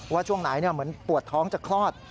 ช่วงไหนเหมือนปวดท้องจะคลอด